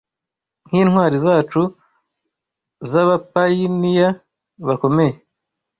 kw'intwari zacu z'abapayiniya bakomeye